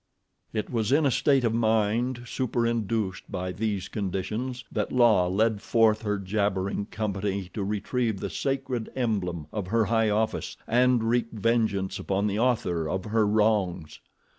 It was in a state of mind superinduced by these conditions that La led forth her jabbering company to retrieve the sacred emblem of her high office and wreak vengeance upon the author of her wrongs.